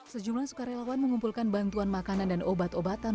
sejumlah sukarelawan mengumpulkan bantuan makanan dan obat obatan